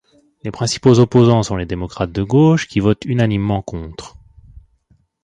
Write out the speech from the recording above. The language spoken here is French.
Les principaux opposants sont les démocrates de gauche, qui votent unanimement contre.